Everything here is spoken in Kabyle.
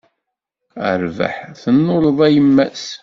A rrbeḥ tennuleḍ a yemma-s.